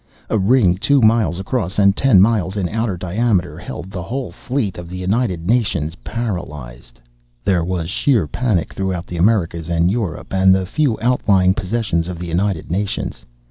A ring two miles across and ten miles in outer diameter held the whole fleet of the United Nations paralyzed. There was sheer panic through the Americas and Europe and the few outlying possessions of the United Nations....